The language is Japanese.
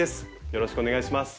よろしくお願いします。